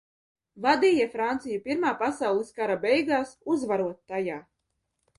Vadīja Franciju Pirmā pasaules kara beigās, uzvarot tajā.